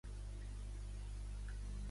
Club", "Q" i "The Quietus", entre altres.